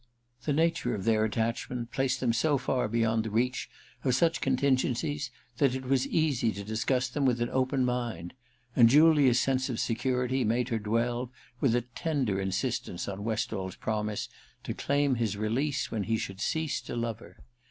The nature of their attachment placed them so far beyond the reach of such contingencies that it II THE RECKONING 213 was easy to discuss them with an open mind ; and Julia's sense of security made her dwell with a tender insistence on Westall's promise to claim his release when he should cease to love her.